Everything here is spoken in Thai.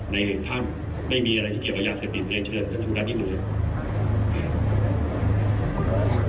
ในถ้าไม่มีอะไรที่เกี่ยวกับยาเสพติด